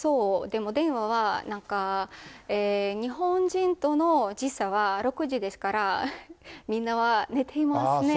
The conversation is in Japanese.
でも電話は、なんか、日本人との時差は６時ですから、みんなは寝てますね。